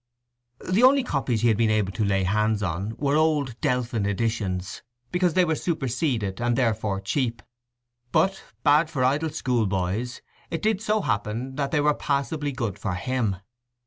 The only copies he had been able to lay hands on were old Delphin editions, because they were superseded, and therefore cheap. But, bad for idle schoolboys, it did so happen that they were passably good for him.